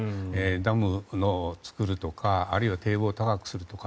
ダムを造るとかあるいは堤防を高くするとか。